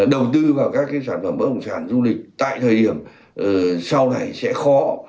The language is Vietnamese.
đầu tư vào các sản phẩm bất động sản du lịch tại thời điểm sau này sẽ khó